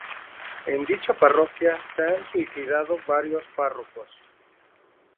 En dicha parroquia se han suicidado varios párrocos.